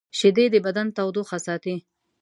شیدې د بدن تودوخه ساتي